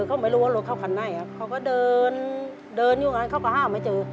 เขาไม่รู้ว่ารถเข้าคันไหนครับเขาก็เดินเดินอยู่อย่างนั้นเขาก็ห้ามไม่เจอ